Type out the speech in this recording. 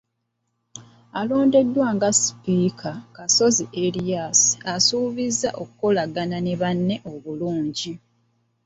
Alondeddwa nga sipiika, Kasozi Erias asuubizza okukolagana ne banne obulungi.